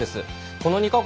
この２か国